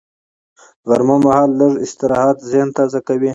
غرمه مهال لږ استراحت ذهن تازه کوي